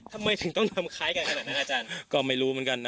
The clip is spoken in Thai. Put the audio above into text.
ทำไมถึงต้องทำคล้ายกันขนาดนั้นอาจารย์ก็ไม่รู้เหมือนกันนะ